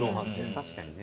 確かにね。